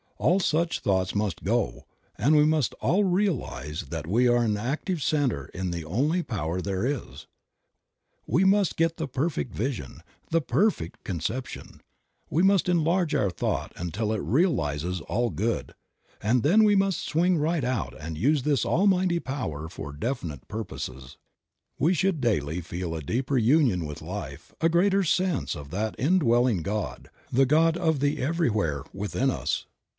All such thoughts must go, and we must all realize that we are an active center in the only power there is. 28 Creative Mind. We must get the perfect vision, the perfect conception; we must enlarge our thought until it realizes all good, and then we must swing right out and use this Almighty Power for definite purposes. We should daily feel a deeper union with Life, a greater sense of that indwelling God, the God of the everywhere, within us.